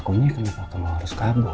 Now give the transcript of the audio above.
akunya kenapa kamu harus kabur